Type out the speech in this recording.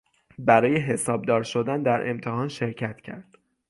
برای حسابدار شدن در امتحان شرکت کرد.